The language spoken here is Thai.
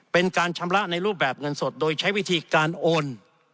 เป็นการชำระในรูปแบบเงินสดโดยใช้วิธีการโอน